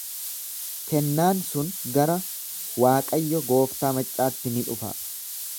Kennaan sun gara Waaqayyo gooftaa maccaatti ni dhufa.